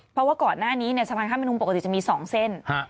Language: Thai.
เพราะว่าก่อนหน้านี้เนี่ยสะพานข้ามพนมปกติจะมี๒เส้น